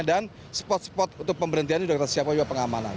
dan spot spot untuk pemberhentian sudah kita siapkan juga pengamanan